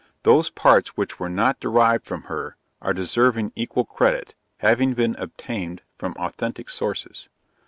Those parts which were not derived from her, are deserving equal credit, having been obtained from authentic sources.